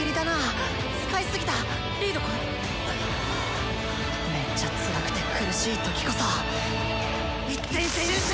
心の声めっちゃつらくて苦しい時こそ一点集中！